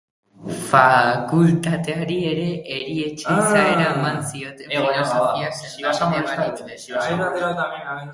Fakultateari ere erietxe izaera eman zioten, filosofia sendabide balitz bezala.